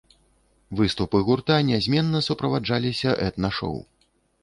Выступы гурта нязменна суправаджаліся этна-шоў.